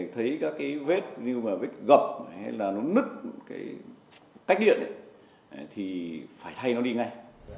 thấy các cái vết như mà vết gập hay là nó nứt cái cách điện thì phải thay nó đi ngay